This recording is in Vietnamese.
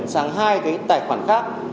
sang hai cái tài khoản khác